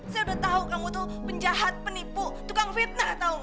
saya udah tahu kamu tuh penjahat penipu tukang fitnah tau